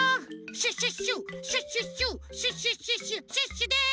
シュッシュッシュッシュッシュッシュッシュッシュッシュッシュッシュッシュです！